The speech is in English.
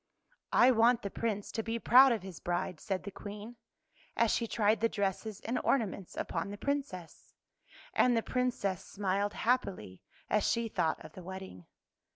" I want the Prince to be proud of his bride," said the Queen, as she tried the dresses and ornaments upon the Princess. And the Princess smiled happily as she thought of the wedding.